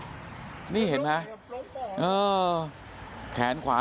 อ้าวนี่เห็นมั้ยเอ่อแขนขวา